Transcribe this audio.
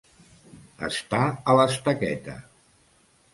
Estar a l'estaqueta.